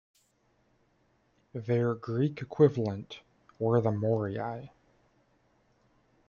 Their Greek equivalent were the Moirai.